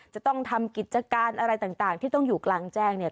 จะต้องทำกิจการอะไรต่างที่ต้องอยู่กลางแจ้งเนี่ย